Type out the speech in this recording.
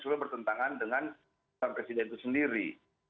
selalu bertentangan dengan pak presiden itu sendiri